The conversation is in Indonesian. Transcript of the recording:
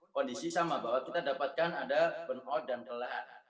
kondisi sama bahwa kita dapatkan ada burnout dan kelelahan